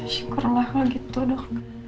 syukurlah begitu dok